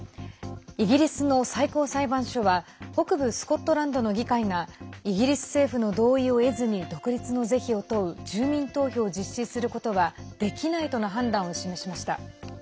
イギリスの最高裁判所は北部スコットランドの議会がイギリス政府の同意を得ずに独立の是非を問う住民投票を実施することはできないとの判断を示しました。